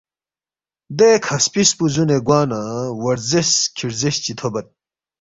دے کھا سپِس پو زُونے گوا نہ وا رزیس کھی رزیس چی تھوبد